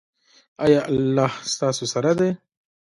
ایا الله ستاسو سره دی؟